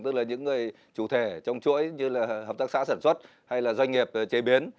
tức là những người chủ thể trong chuỗi như là hợp tác xã sản xuất hay là doanh nghiệp chế biến